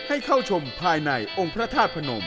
ให้เข้าชมภายในองค์พระธาตุพนม